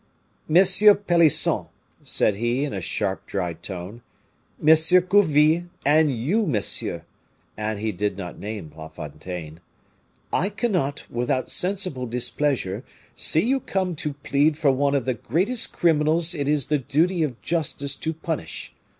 "Monsieur Pelisson," said he, in a sharp, dry tone. "Monsieur Gourville, and you, Monsieur " and he did not name La Fontaine, "I cannot, without sensible displeasure, see you come to plead for one of the greatest criminals it is the duty of justice to punish.